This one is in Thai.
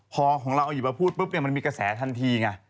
พอของเราเอาอยู่มาพูดปุ๊บมันมีกระแสทันทีไง